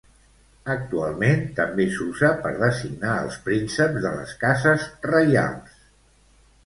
Actualment també s'usa per designar els prínceps de les cases reials.